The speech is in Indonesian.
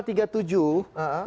di pasal tiga puluh tujuh